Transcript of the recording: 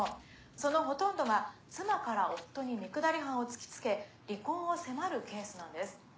そのほとんどが妻から夫に三くだり半を突きつけ離婚を迫るケースなんです。